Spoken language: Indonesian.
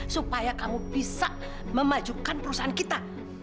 supaya kamu bisa memajukan perusahaan kita